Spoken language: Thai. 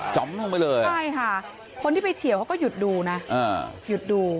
อมลงไปเลยใช่ค่ะคนที่ไปเฉียวเขาก็หยุดดูนะหยุดดู